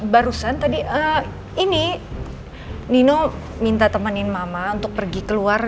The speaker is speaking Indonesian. barusan tadi ini nino minta temenin mama untuk pergi keluar